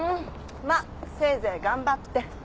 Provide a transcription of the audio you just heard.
まっせいぜい頑張って。